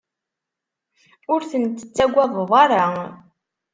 Ur ten-tettagadeḍ ara.